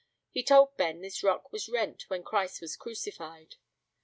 He told Ben this rock was rent when Christ was crucified.